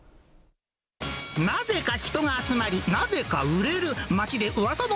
なぜか人が集まり、なぜか売れる。